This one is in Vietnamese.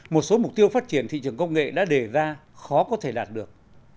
một số mục tiêu phát triển thị trường công nghệ đã đề ra khó có thể đạt được